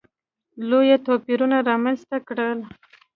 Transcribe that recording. لوی توپیرونه رامځته کړل.